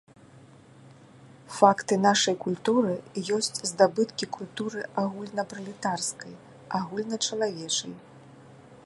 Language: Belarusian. Факты нашай культуры ёсць здабыткі культуры агульнапралетарскай, агульначалавечай.